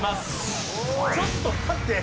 ちょっと待って。